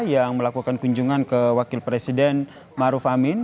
yang melakukan kunjungan ke wakil presiden maruf amin